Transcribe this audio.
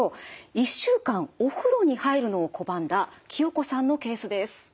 １週間お風呂に入るのを拒んだ清子さんのケースです。